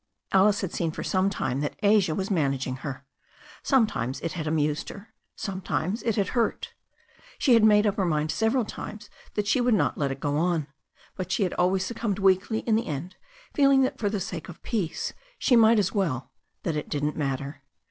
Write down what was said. Alice had seen for some time that Asia was managing her. Sometimes it had amused her; sometimes it had hurt. She had made up her mind several times that she would not let it go on, but she had always succumbed weakly in the end, feeling that for the sake of peace she might as well, that it didn't matter.